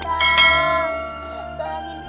putri mohon ya allah